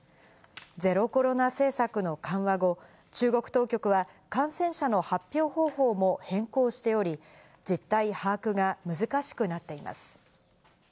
ゼロコロナ政策の緩和後、中国当局は感染者の発表方法も変更しており、実態把握が難しくなっています。